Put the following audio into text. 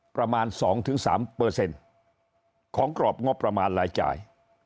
ประมาณ๒๓ของกรอบงบประมาณรายจ่าย